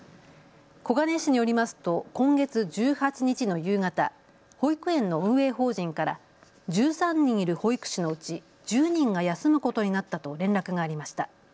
小金井市によりますと今月１８日の夕方、保育園の運営法人から１３人いる保育士のうち１０人が休むことになったと連絡がありました。